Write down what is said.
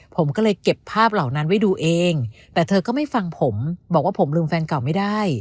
ผมก็เลยเก็บภาพเหล่านั้นไว้ดูเองแต่เธอก็ไม่ฟังผมบอกว่าผมลืมแฟนเก่าไม่ได้